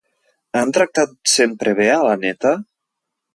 Han tractat sempre bé a l'Anneta?